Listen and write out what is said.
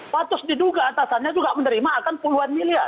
patus diduga atasannya juga menerima akan puluhan miliar